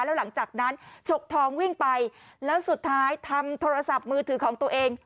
แล้วหลังจากนั้นฉกทองวิ่งไปแล้วสุดท้ายทำโทรศัพท์มือถือของตัวเอง